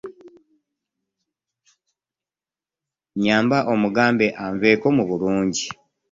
Nnyamba omugambe anveeko mu bulungi.